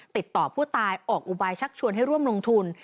ติดต่อผู้ตายออกอุบายชักชวนให้ร่วมลงทุน